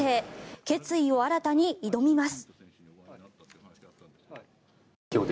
決意を新たに挑みます。